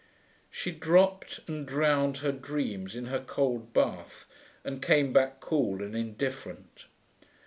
She dropped and drowned her dreams in her cold bath, and came back cool and indifferent.